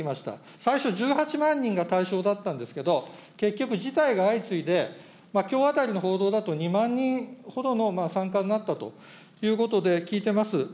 最初、１８万人が対象だったんですけど、結局事態が相次いできょうあたりの報道だと２万人ほどの参加になったということで聞いてます。